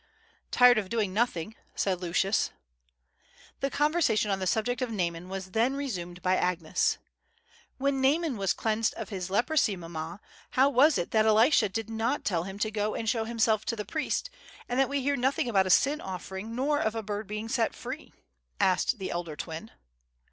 "Tired of doing nothing," said Lucius. The conversation on the subject of Naaman was then resumed by Agnes. "When Naaman was cleansed of his leprosy, mamma, how was it that Elisha did not tell him to go and show himself to the priest, and that we hear nothing about a sin offering, nor of a bird being set free?" asked the elder twin.